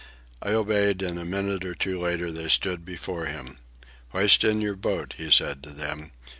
I obeyed, and a minute or two later they stood before him. "Hoist in your boat," he said to them.